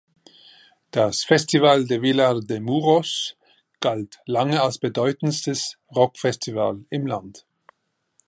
Das Festival de Vilar de Mouros galt lange als bedeutendstes Rockfestival im Land.